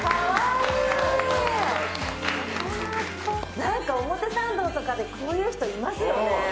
なんか表参道とかでこういう人いますよね。